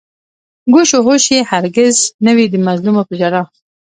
گوش و هوش يې هر گِز نه وي د مظلومو په ژړا